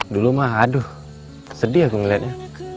dulu mah aduh sedih aku ngeliatnya